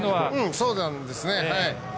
そうなんですよね。